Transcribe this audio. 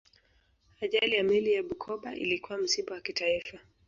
ajali ya meli ya bukoba ilikuwa msiba wa kitaifa